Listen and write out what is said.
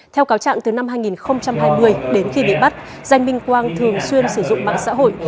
theo cáo trạng từ năm hai nghìn hai mươi đến khi bị bắt danh minh quang thường xuyên sử dụng mạng xã hội